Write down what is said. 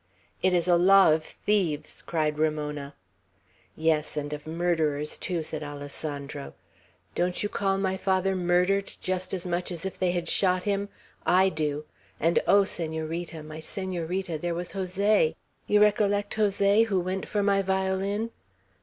"It's a law of thieves!" cried Ramona. "Yes, and of murderers too," said Alessandro. "Don't you call my father murdered just as much as if they had shot him? I do! and, O Senorita, my Senorita, there was Jose! You recollect Jose, who went for my violin?